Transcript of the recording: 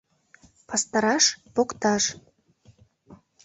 Пастыраш — покташ.